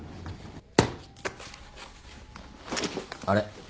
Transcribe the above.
あれ？